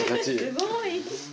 すごい。